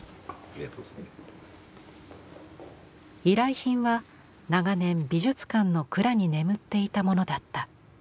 依頼品は長年美術館の蔵に眠っていたものだった。